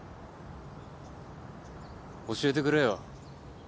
教えてくれよ。